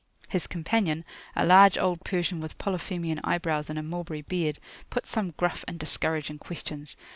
His companion, a large old Persian with Polyphemean eyebrows and a mulberry beard, put some gruff and discouraging questions.